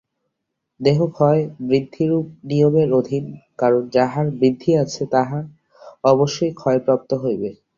দেহ ক্ষয়-বৃদ্ধিরূপ নিয়মের অধীন, কারণ যাহার বৃদ্ধি আছে, তাহা অবশ্যই ক্ষয়প্রাপ্ত হইবে।